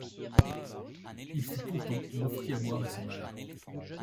Il fut content, m’offrit à boire, et s’en alla